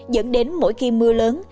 dẫn đến mỗi khi mưa lớn